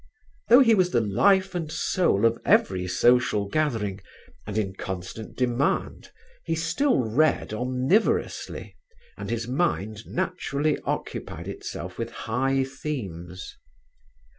Though he was the life and soul of every social gathering, and in constant demand, he still read omnivorously, and his mind naturally occupied itself with high themes.